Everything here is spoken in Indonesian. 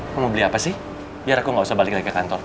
mau beli apa sih biar aku nggak usah balik lagi ke kantor